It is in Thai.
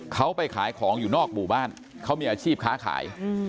เขาไปขายของอยู่นอกหมู่บ้านเขามีอาชีพค้าขาย